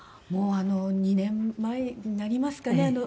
もう２年前になりますかね。